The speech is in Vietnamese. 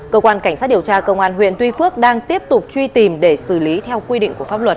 cơ quan cảnh sát điều tra công an huyện tuy phước đang tiếp tục truy tìm để xử lý theo quy định của pháp luật